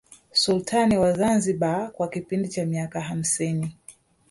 Sultani wa Zanzibar kwa kipindi cha miaka hamsini